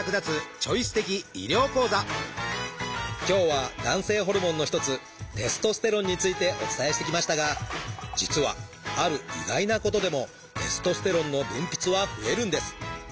今日は男性ホルモンの一つテストステロンについてお伝えしてきましたが実はある意外なことでもテストステロンの分泌は増えるんです。